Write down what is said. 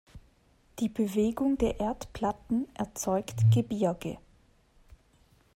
Die Bewegung der Erdplatten erzeugt Gebirge.